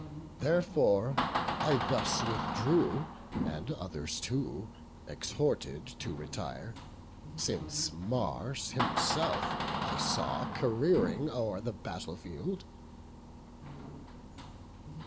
Therefore I thus withdrew, and others too Exhorted to retire, since Mars himself I saw careering o'er the battle field."